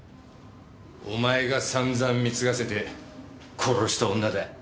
お前が散々貢がせて殺した女だ。